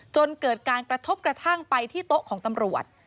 จนเกิดการกระทบกระทั่งไปที่โต๊ะของตำรวจ